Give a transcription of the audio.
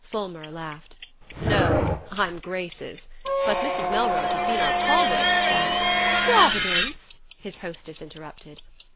Fulmer laughed. "No; I'm Grace's. But Mrs. Melrose has been our Providence, and...." "Providence?" his hostess interrupted.